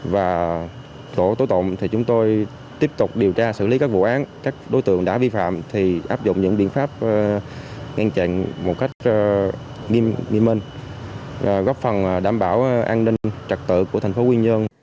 và tổ tối tộm thì chúng tôi tiếp tục điều tra xử lý các vụ án các đối tượng đã vi phạm thì áp dụng những biện pháp ngăn chặn một cách nghiêm minh góp phần đảm bảo an ninh trật tự của thành phố quy nhơn